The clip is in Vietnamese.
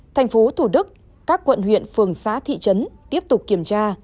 thành phố thủ đức các quận huyện phường xã thị trấn tiếp tục kiểm tra